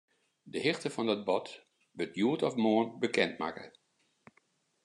De hichte fan dat bod wurdt hjoed of moarn bekendmakke.